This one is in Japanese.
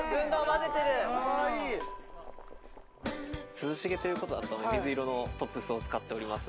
涼しげということだったので水色のトップスを使っております。